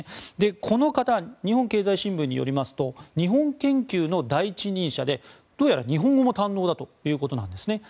この方は日本経済新聞によりますと日本研究の第一人者でどうやら日本語も堪能だということです。